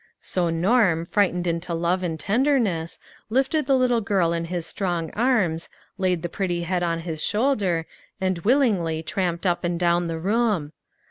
So Norm, frightened into love and ten derness, lifted the little girl in his strong arms, laid the pretty head on his shoulder, and willingly tramped up and down the room.